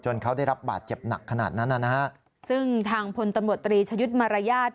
เขาได้รับบาดเจ็บหนักขนาดนั้นนะฮะซึ่งทางพลตำรวจตรีชยุทธ์มารยาท